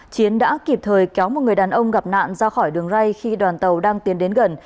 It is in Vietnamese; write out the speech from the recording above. chiến đã kịp thời kéo một người đàn ông gặp nạn ra khỏi đường ray khi đoàn tàu đang tiến đến gần